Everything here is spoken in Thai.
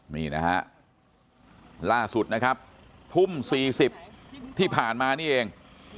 นี่นะฮะล่าสุดนะครับทุ่ม๔๐ที่ผ่านมานี่เอง